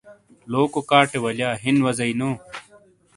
۔۔لوکو کاٹے والیا ہین وازی نو ۔